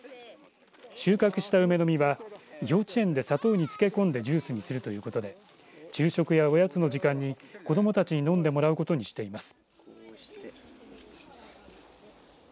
収穫した梅の実は幼稚園で砂糖に漬け込んでジュースにするということで昼食やおやつの時間に子どもたちに飲んでもらうことにしています。